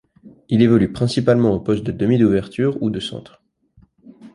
Il évolue principalement aux postes de demi d'ouverture ou de centre.